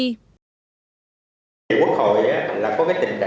quốc hội có cái tình trạng là rắn họp đang nghe tin báo công khai nói rắn họp nhưng ai rắn